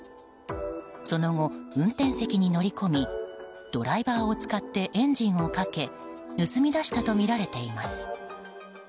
その後、運転席に乗り込みドライバーを使ってエンジンをかけ盗み出したとみられています。